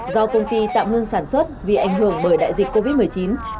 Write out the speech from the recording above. do công ty tạm ngưng sản xuất vì ảnh hưởng bởi đại dịch covid một mươi chín